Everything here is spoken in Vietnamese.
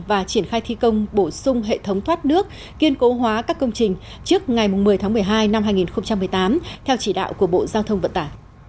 và triển khai thi công bổ sung hệ thống thoát nước kiên cố hóa các công trình trước ngày một mươi tháng một mươi hai năm hai nghìn một mươi tám theo chỉ đạo của bộ giao thông vận tải